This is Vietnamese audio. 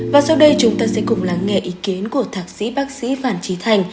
và sau đây chúng ta sẽ cùng lắng nghe ý kiến của thạc sĩ bác sĩ phan trí thành